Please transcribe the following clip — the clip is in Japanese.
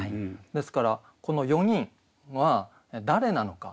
ですからこの４人は誰なのか？